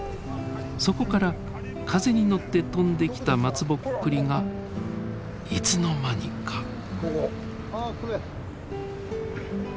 そこから風に乗って飛んできた松ぼっくりがいつの間にか。